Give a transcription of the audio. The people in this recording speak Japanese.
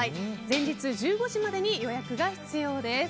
前日１５時までに予約が必要です。